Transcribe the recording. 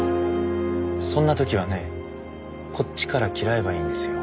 そんな時はねこっちから嫌えばいいんですよ。